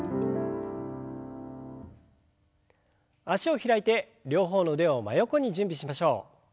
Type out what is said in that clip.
脚を開いて両方の腕を真横に準備しましょう。